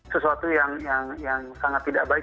sesuatu yang sangat tidak baik